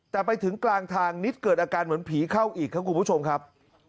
แต่ไปถึงกลางทางนิดเกิดอาการเหมือนผีเข้าอีกครับคุณผู้ชมครับ